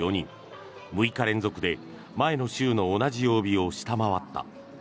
６日連続で前の週の同じ曜日を下回った。